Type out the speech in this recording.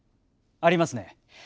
ありますね。